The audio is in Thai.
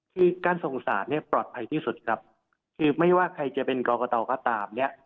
คือการส่งสารเนี่ยปลอดภัยที่สุดครับคือไม่ว่าใครจะเป็นกรกตก็ตามเนี่ย